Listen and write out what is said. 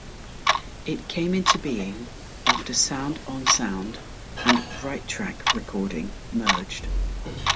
It came into being after Sound on Sound and Right Track Recording merged.